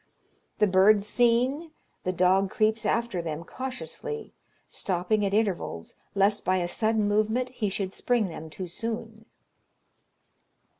The birds seen, the dog creeps after them cautiously, stopping at intervals, lest by a sudden movement he should spring them too soon.